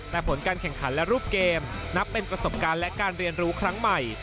แต่ผลการแข่งขันและรูปเกมนับเป็นประสบการณ์และการเรียนรู้ครั้งใหม่